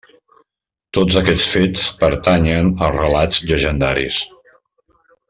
Tots aquests fets pertanyen als relats llegendaris.